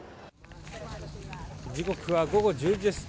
時刻は午後１０時です。